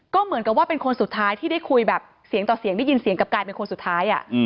ก็เหมือนกับว่าเป็นคนสุดท้ายที่ได้คุยแบบเสียงต่อเสียงได้ยินเสียงกลับกลายเป็นคนสุดท้าย